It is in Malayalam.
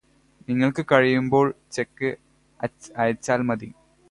നിങ്ങൾക്ക് കഴിയുമ്പോൾ ചെക്ക് അയച്ചാൽ മതി